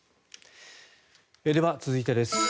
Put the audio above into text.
では、続いてです。